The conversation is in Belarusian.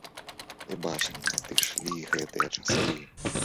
І бачым надышлі гэтыя часы.